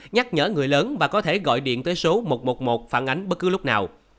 nhắc nhở người lớn và có thể gọi điện tới số một trăm một mươi một phản ánh bất cứ lúc nào